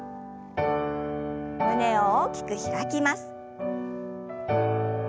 胸を大きく開きます。